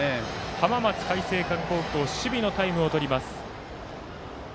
浜松開誠館高校守備のタイムをとります。